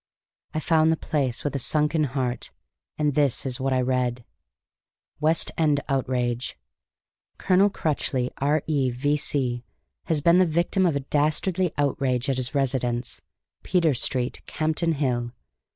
I found the place with a sunken heart, and this is what I read: WEST END OUTRAGE Colonel Crutchley, R.E., V.C., has been the victim of a dastardly outrage at his residence, Peter Street, Campden Hill.